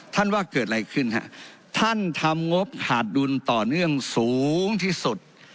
ว่าเกิดอะไรขึ้นฮะท่านทำงบขาดดุลต่อเนื่องสูงที่สุด